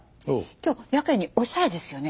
今日やけにおしゃれですよね。